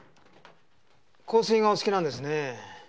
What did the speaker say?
香水がお好きなんですね。